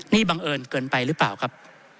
นี่บังเอิญเกินไปหรือเปล่าครับ